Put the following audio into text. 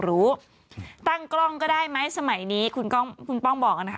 รู้ตั้งกล้องก็ได้ไหมสมัยนี้คุณกล้องคุณป้องบอกนะคะ